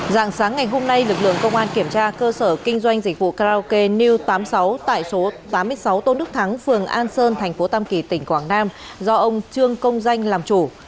dạng sáng ngày hôm nay lực lượng công an kiểm tra cơ sở kinh doanh dịch vụ karaoke new tám mươi sáu tại số tám mươi sáu tôn đức thắng phường an sơn thành phố tam kỳ tỉnh quảng nam do ông trương công danh làm chủ